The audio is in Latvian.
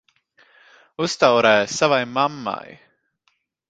Uztaurē savai mammai!